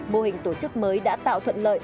mô hình tổ chức mới đã tạo thuận lợi